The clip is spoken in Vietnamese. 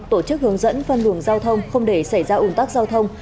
tổ chức hướng dẫn phân đường giao thông không để xảy ra ủng tác giao thông